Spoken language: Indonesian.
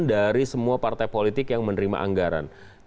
dari semua partai politik yang menerima anggaran